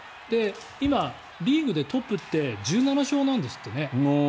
今、リーグでトップって１７勝なんですってね。